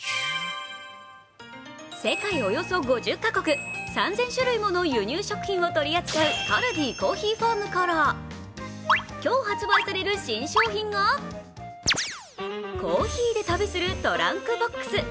世界およそ５０か国、３０００種類もの輸入食品を取り扱うカルディコーヒーファームから今日発売される新商品が、コーヒーで旅するトランクボックス。